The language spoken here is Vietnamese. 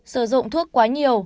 sử dụng thuốc quá nhiều